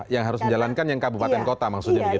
yang harus menjalankan yang kabupaten kota maksudnya begitu